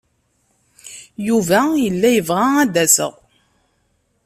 Yuba yella yebɣa ad d-aseɣ.